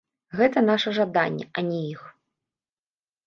Гэта наша жаданне, а не іх.